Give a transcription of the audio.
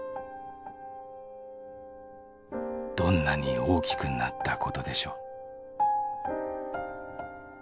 「どんなに大きくなったことでしょう」